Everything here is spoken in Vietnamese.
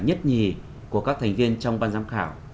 nhất nhì của các thành viên trong ban giám khảo